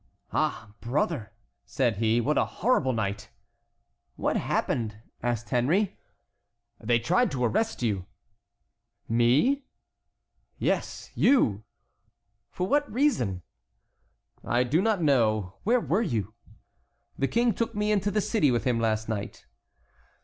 "Ah, brother," said he, "what a horrible night!" "What happened?" asked Henry. "They tried to arrest you." "Me?" "Yes, you." "For what reason?" "I do not know. Where were you?" "The King took me into the city with him last night."